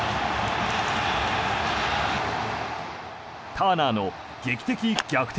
ターナーの劇的逆転